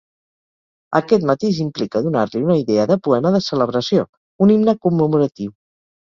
Aquest matís implica donar-li una idea de poema de celebració, un himne commemoratiu.